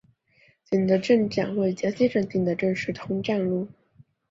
景德镇站位于江西省景德镇市通站路。